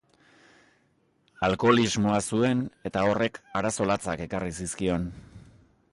Alkoholismoa zuen, eta horrek arazo latzak ekarri zizkion.